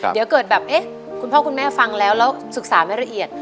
เดี๋ยวเกิดแบบเอ๊ะคุณพ่อคุณแม่ฟังแล้วแล้วศึกษาไม่ละเอียด